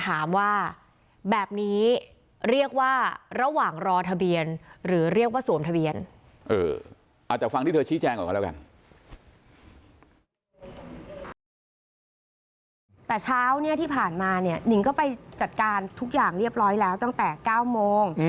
แต่เช้าเนี่ยที่ผ่านมาเนี่ยนิงก็ไปจัดการทุกอย่างเรียบร้อยแล้วตั้งแต่๙โมง